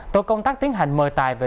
tổ công tác tiến hành mời tài về